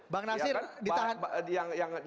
bang nasir ditahan